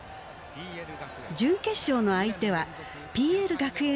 準決勝の相手はＰＬ学園高校。